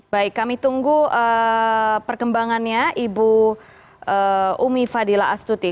baik kami tunggu perkembangannya ibu umi fadila astuti